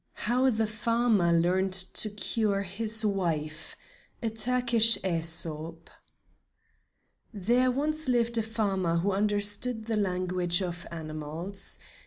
HOW THE FARMER LEARNED TO CURE HIS WIFE A TURKISH ÆSOP There once lived a farmer who understood the language of animals.